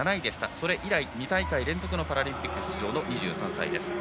それ以来、２大会連続のパラリンピック出場の２３歳。